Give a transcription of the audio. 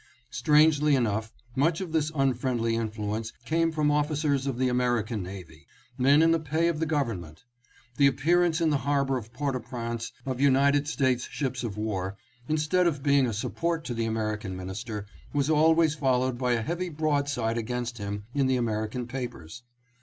Strangely enough, much of this unfriendly influence came from officers of the American navy ; men in the pay of the government. The appearance in the harbor of Port au Prince of United States ships of war, instead of being a support to the American Minister, was always followed by a heavy broadside against him in the American papers.